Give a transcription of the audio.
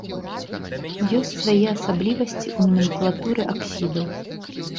Ёсць свае асаблівасці ў наменклатуры аксідаў.